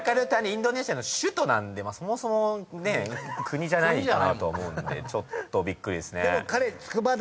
インドネシアの首都なんでそもそもね国じゃないかなとは思うんでちょっとびっくりですね。